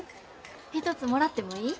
一つもらってもいい？